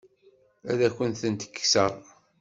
Ad akent-tent-kkseɣ?